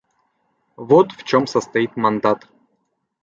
Вот в чем состоит мандат.